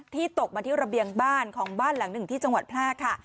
ตกมาที่ระเบียงบ้านของบ้านหลังหนึ่งที่จังหวัดแพร่ค่ะ